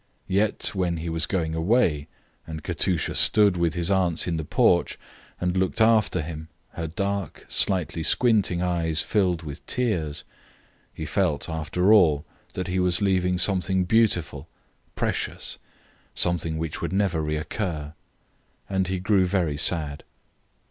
Yet, when he was going away, and Katusha stood with his aunts in the porch, and looked after him, her dark, slightly squinting eyes filled with tears, he felt, after all, that he was leaving something beautiful, precious, something which would never reoccur. And he grew very sad.